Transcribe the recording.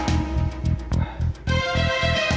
gak akan kecil